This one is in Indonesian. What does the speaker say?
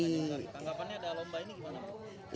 tanggapannya ada lomba ini gimana pak